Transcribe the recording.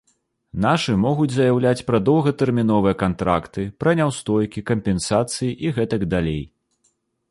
Нашы могуць заяўляць пра доўгатэрміновыя кантракты, пра няўстойкі, кампенсацыі і гэтак далей.